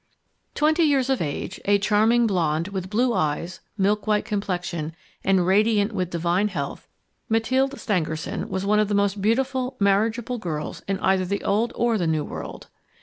Twenty years of age, a charming blonde, with blue eyes, milk white complexion, and radiant with divine health, Mathilde Stangerson was one of the most beautiful marriageable girls in either the old or the new world.